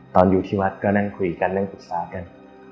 ตอนที่วัดก็นั่งคุยกันนั่งปรึกษากัน